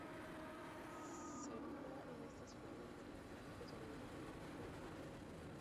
Sería en esta ciudad donde el artista pasaría la mayor parte de su infancia.